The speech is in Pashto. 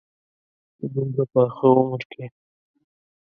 په دومره پاخه عمر کې.